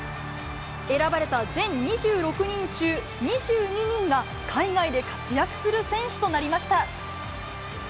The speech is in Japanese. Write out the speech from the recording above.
選ばれた全２６人中２２人が、海外で活躍する選手となりました。